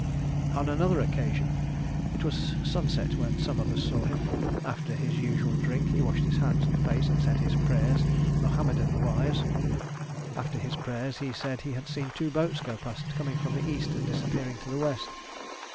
On another occasion it was sunset when some of us saw him. After his usual drink he washed his hands and face and said his prayers Mohammedan wise. After his prayers he said he had seen two boats go past coming from the east and disappearing to the west.